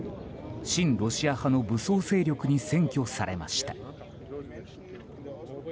親ロシア派の武装勢力に占拠されました。